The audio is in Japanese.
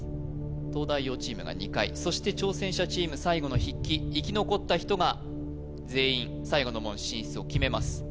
東大王チームが２回そして挑戦者チーム最後の筆記生き残った人が全員最後の門進出を決めます